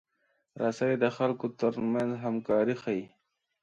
رسۍ د خلکو ترمنځ همکاري ښيي.